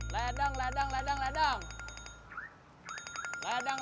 ledang ledang ledang